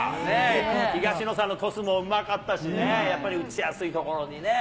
東野さんのトスもうまかったしね、やっぱり打ちやすい所にね。